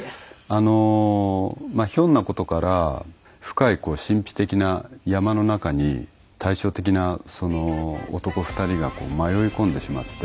あのまあひょんな事から深い神秘的な山の中に対照的な男２人が迷い込んでしまって。